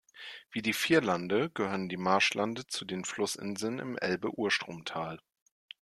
Wie die Vierlande gehören die Marschlande zu den Flussinseln im Elbe-Urstromtal.